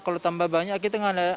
kalau tambah banyak kita nggak ada